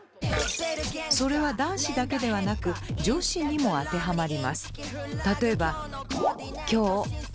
それは男子だけではなく女子にも当てはまります。